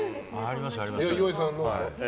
岩井さん、どうですか。